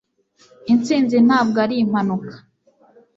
intsinzi ntabwo ari impanuka